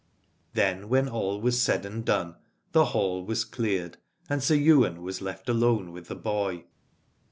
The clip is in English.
Then when all was said and done the hall was cleared, and Sir Ywain was left alone with the boy.